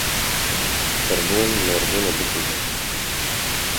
Pirbûn mêrbûnê dikuje